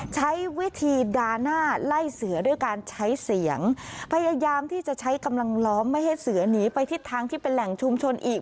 ใช้วิธีดาหน้าไล่เสือด้วยการใช้เสียงพยายามที่จะใช้กำลังล้อมไม่ให้เสือหนีไปทิศทางที่เป็นแหล่งชุมชนอีก